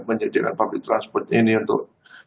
menyediakan public transport ini untuk